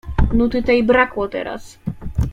"Nuty tej brakło teraz."